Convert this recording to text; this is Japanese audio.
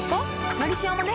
「のりしお」もね